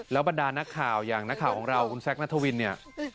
บรรดานักข่าวอย่างนักข่าวของเราคุณแซคนัทวินเนี่ย